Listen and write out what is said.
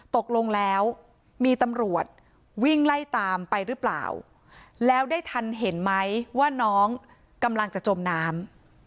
ตกลงแล้วมีตำรวจวิ่งไล่ตามไปหรือเปล่าแล้วได้ทันเห็นไหมว่าน้องกำลังจะจมน้ำ